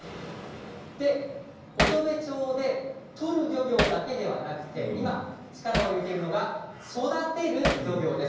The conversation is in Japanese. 乙部町で取る漁業だけではなくて今、力を入れているのが育てる漁業です。